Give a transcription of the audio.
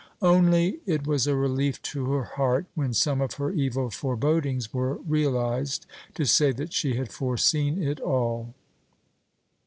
Only it was a relief to her heart when some of her evil forebodings were realized, to say that she had foreseen it all.